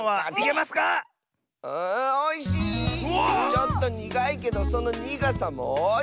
ちょっとにがいけどそのにがさもおいしい！